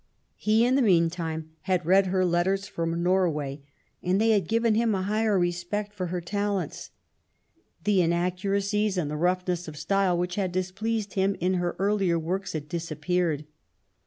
He, in the meantime, had read her Letters from Nor way, and they had given him a higher respect for her talents. The inaccuracies and the roughness of style which had displeased him in her earlier works had dis appeared.